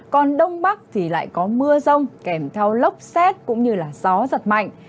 còn đông bắc thì lại có mưa rông kèm theo lốc xét cũng như gió giật mạnh